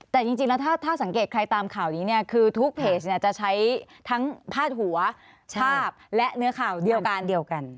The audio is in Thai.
แต่จริงแล้วถ้าสังเกตใครตามข่าวนี้เนี่ยคือทุกเพจเนี่ยจะใช้ทั้งพาดหัวภาพและเนื้อข่าวเดียวกันเดียวกัน